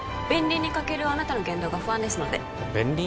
倫に欠けるあなたの言動が不安ですので弁倫？